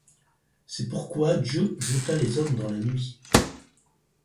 C’est pourquoi Dieu jeta les hommes dans la nuit.